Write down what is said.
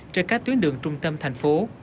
trên các tuyến đường trung tâm thành phố